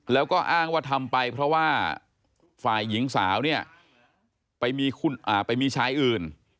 แล้วก็อ้างว่าทำไปเพราะว่าฝ่ายหญิงสาวเนี่ยไปมีชายอื่น